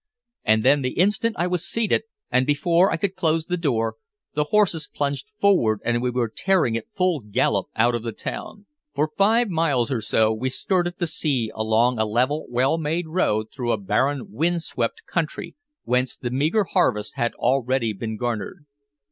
And then the instant I was seated, and before I could close the door, the horses plunged forward and we were tearing at full gallop out of the town. For five miles or so we skirted the sea along a level, well made road through a barren wind swept country whence the meager harvest had already been garnered.